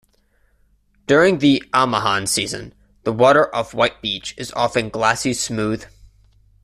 During the Amihan season, the water off White Beach is often glassy-smooth.